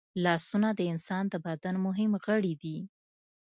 لاسونه د انسان د بدن مهم غړي دي